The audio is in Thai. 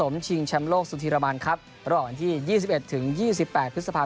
แล้วก็ต้องสู้